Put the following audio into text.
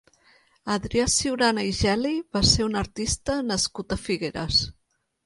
Adrià Ciurana i Geli va ser un artista nascut a Figueres.